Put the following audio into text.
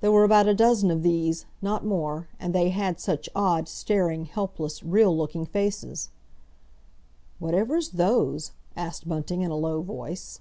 There were about a dozen of these, not more—and they had such odd, staring, helpless, real looking faces. "Whatever's those?" asked Bunting in a low voice.